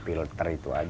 pernah kering nggak bu